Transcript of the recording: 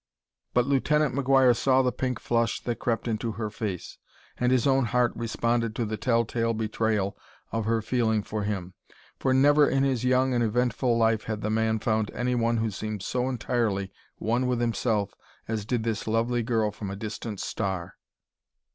But Lieutenant McGuire saw the pink flush that crept into her face, and his own heart responded to the telltale betrayal of her feeling for him. For never in his young and eventful life had the man found anyone who seemed so entirely one with himself as did this lovely girl from a distant star.